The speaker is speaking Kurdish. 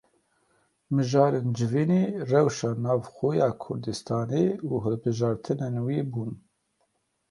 Mijarên civînê rewşa navxwe ya Kurdistanê û hilbijartinên wê bûn.